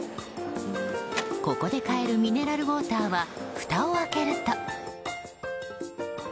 ここで買えるミネラルウォーターはふたを開けると。